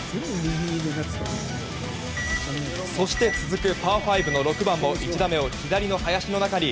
そして続くパー５の６番も１打目を左の林の中に。